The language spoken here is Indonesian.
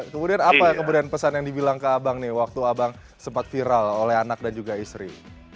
kemudian apa kemudian pesan yang dibilang ke abang nih waktu abang sempat viral oleh anak dan juga istri